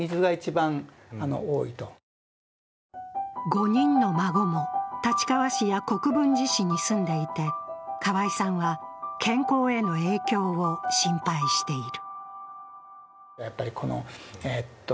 ５人の孫も立川市や国分寺市に住んでいて河合さんは健康への影響を心配している。